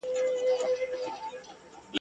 څه خوبونه سړی ویني بیرته څنګه پناه کیږي ..